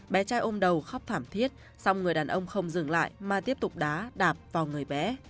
bé trai ôm đầu khóc thảm thiết xong người đàn ông không dừng lại mà tiếp tục đá đạp vào người bé